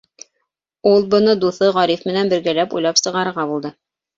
Ул быны дуҫы Ғариф менән бергәләп уйлап сығарырға булды.